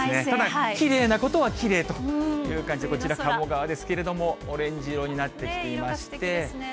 ただ、きれいなことはきれいという感じで、こちら、鴨川ですけれども、オレンジ色になってきていまして。